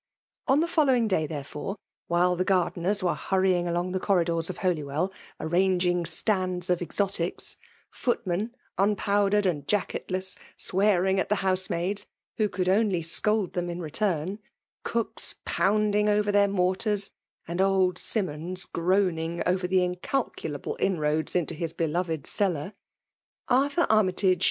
,v On the following day, therefore, while tbn gardeners were hurrying along the cfbrridors of Holywellj arranging stands of exotieSi— hotm^, iin^owdered and jacketlesB^ shearing it the hoBsemaidSy wha could onlj scold liiem ki^ rdtiArit^— eooks poundiBg aver their iaovtars, alid old SifAnkms groaning over the incal * tolable inroads into his beloved cellar — ^Arthur Armytage.